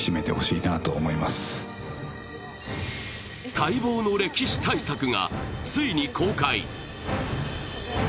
待望の歴史大作がついに公開。